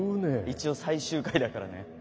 一応最終回だからね。